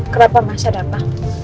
kenapa mas ada apa